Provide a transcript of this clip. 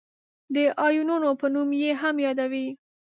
د آیونونو په نوم یې هم یادوي.